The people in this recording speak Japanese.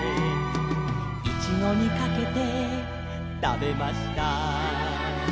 「いちごにかけてたべました」